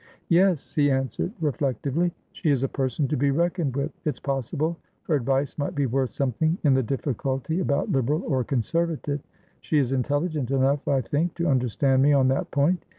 "Yes," he answered, reflectively. "She is a person to be reckoned with. It's possible her advice might be worth something in the difficulty about Liberal or Conservative. She is intelligent enough, I think, to understand me on that point.